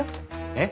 えっ？